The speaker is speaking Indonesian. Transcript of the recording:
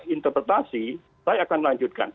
interpretasi saya akan lanjutkan